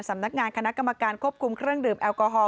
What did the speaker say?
สำนักงานคณะกรรมการควบคุมเครื่องดื่มแอลกอฮอล